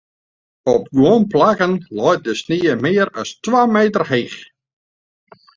Op guon plakken leit de snie mear as twa meter heech.